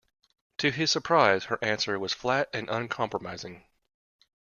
To his surprise, her answer was flat and uncompromising.